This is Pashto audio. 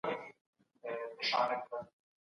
که تقاضا نه وي فابریکې تړل کیږي.